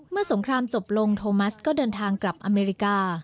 สงครามจบลงโทมัสก็เดินทางกลับอเมริกา